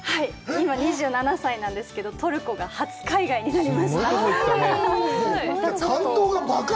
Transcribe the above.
今、２７歳なんですけど、トルコが初海外になります。